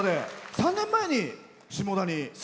３年前に下田に。